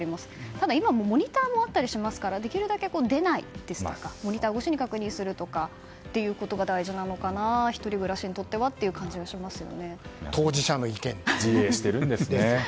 ただ、今モニターもあったりしますからできるだけ出ないですとかモニター越しに確認することが大事なのかな１人暮らしにとっては当事者の意見ですね。